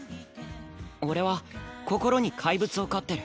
俺は心にかいぶつを飼ってる。